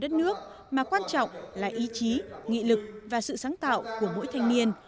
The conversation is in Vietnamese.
không phải là một đất nước mà quan trọng là ý chí nghị lực và sự sáng tạo của mỗi thanh niên